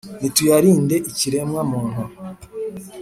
nituyalinde ikiremwa-muntu